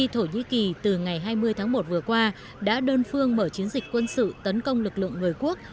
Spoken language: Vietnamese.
thổ nhĩ kỳ từ ngày hai mươi tháng một vừa qua đã đơn phương mở chiến dịch quân sự tấn công lực lượng người quốc